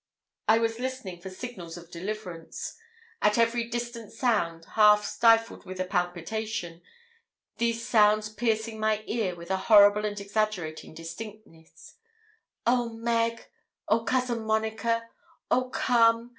I was listening for signals of deliverance. At every distant sound, half stifled with a palpitation, these sounds piercing my ear with a horrible and exaggerated distinctness 'Oh Meg! Oh cousin Monica! Oh come!